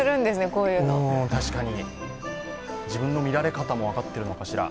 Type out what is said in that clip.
自分の見られ方も分かってるのかしら。